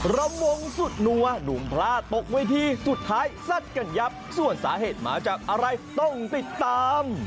ระมงสุดนัวหนุ่มพลาดตกเวทีสุดท้ายซัดกันยับส่วนสาเหตุมาจากอะไรต้องติดตาม